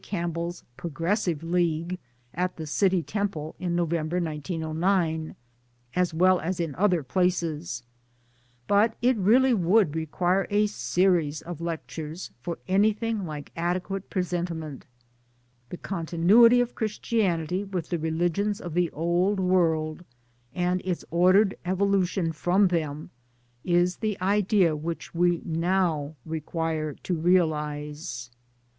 Campbell's " Progressive League " at the City Temple in November 1909, as well as in other places ; but it really would require a series of lectures for anything like adequate presentment. The continuity of Christianity with the religions of the old world and its ordered evolution from them is the idea which we now require to realize.